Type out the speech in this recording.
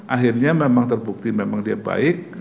akhirnya memang terbukti memang dia baik